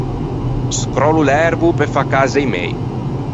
Scròllo l’erbo pe fâ cazze i mei.